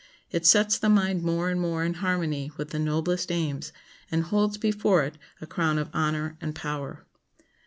It sets the mind more and more in harmony with the noblest aims, and holds before it a crown of honor and power.